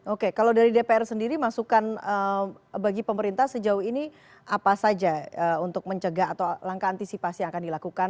oke kalau dari dpr sendiri masukan bagi pemerintah sejauh ini apa saja untuk mencegah atau langkah antisipasi yang akan dilakukan